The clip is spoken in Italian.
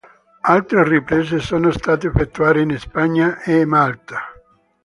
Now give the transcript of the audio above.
Altre riprese sono state effettuate in Spagna e Malta.